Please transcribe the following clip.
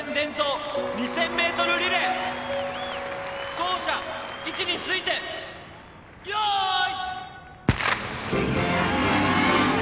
走者位置について用意。